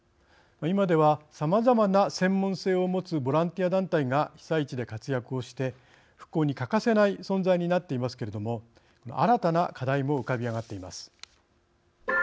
今ではさまざまな専門性を持つボランティア団体が被災地で活躍をして復興に欠かせない存在になっていますけれども新たな課題も浮かび上がっています。